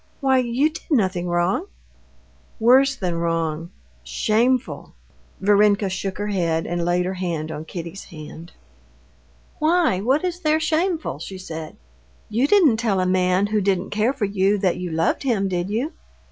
Why, you did nothing wrong?" "Worse than wrong—shameful." Varenka shook her head and laid her hand on Kitty's hand. "Why, what is there shameful?" she said. "You didn't tell a man, who didn't care for you, that you loved him, did you?"